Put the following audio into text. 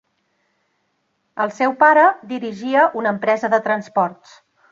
El seu pare dirigia una empresa de transports.